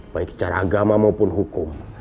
baik secara agama maupun hukum